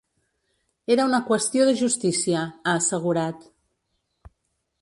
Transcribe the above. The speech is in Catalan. Era una qüestió de justícia, ha assegurat.